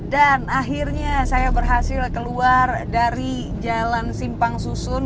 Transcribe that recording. dan akhirnya saya berhasil keluar dari jalan simpang susun